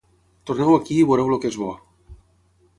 Torneu aquí i veureu el que és bo!